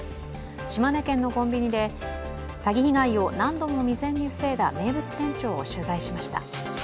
島根県のコンビニで詐欺被害を何度も未然に防いだ名物店長を取材しました。